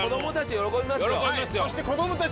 喜びますよ